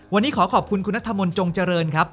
วันนี้ขอขอบคุณคุณนัทมนต์จงเจริญครับ